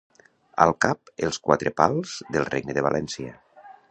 Al cap, els quatre pals del Regne de València.